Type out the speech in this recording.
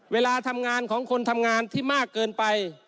เวลาทำงานของคนทำงานที่มากเกินไป